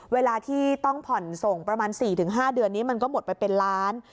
เวลาที่ต้องผ่อนส่งประมาณ๔๕เดือนนี้มันก็หมดไปเป็นล้าน